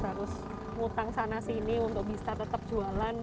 harus ngutang sana sini untuk bisa tetap jualan